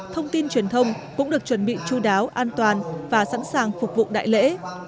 thông tin truyền thông cũng được chuẩn bị chú đáo an toàn và sẵn sàng phục vụ đại lễ